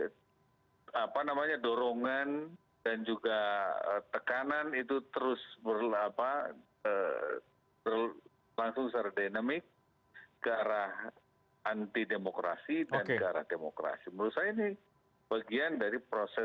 dalam jangka waktu yang pendek ini